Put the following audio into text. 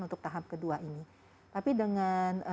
untuk tahap kedua ini tapi dengan